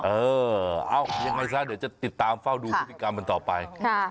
เออเอ้ายังไงซะเดี๋ยวจะติดตามเฝ้าดูพฤติกรรมมันต่อไป